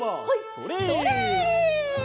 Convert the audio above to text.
それ！